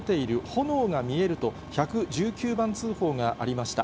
炎が見えると、１１９番通報がありました。